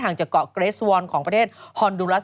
จากเกาะเกรสวอนของประเทศฮอนดูรัส